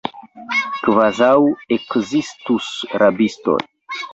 Kvazaŭ ekzistus rabistoj!